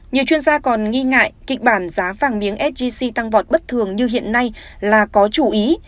nhiều chuyên gia còn nghi ngại kịch bản giá vàng miếng sgc tăng vọt bất thường như hiện nay là có chú ý